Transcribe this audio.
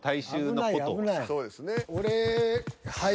そうですね。